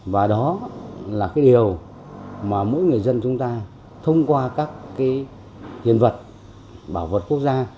và đó là cái điều mà mỗi người dân chúng ta thông qua các cái hiện vật bảo vật quốc gia